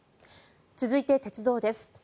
続いて鉄道です。